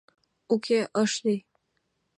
Уке, ыш лий.